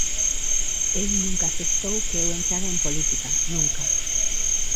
El nunca aceptou que eu entrara en política, ¡nunca!